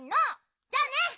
じゃあね！